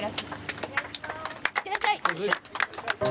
いってらっしゃい。